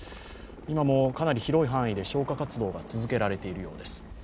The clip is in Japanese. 今もかなり広い範囲で消火活動が続けられているようです。